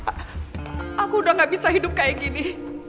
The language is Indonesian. pak aku udah gak bisa hidup kayak gini